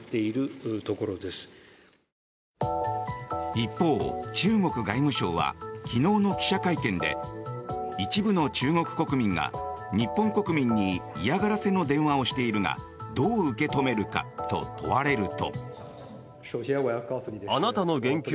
一方、中国外務省は昨日の記者会見で一部の中国国民が日本国民に嫌がらせの電話をしているがどう受け止めるかと問われると。